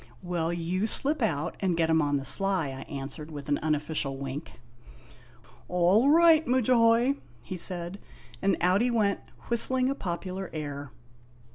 "Well, you slip out and get him on the sly," I answered with an unofficial wink. "All right, Mudjahoy," he said, and out he went whistling a popular air.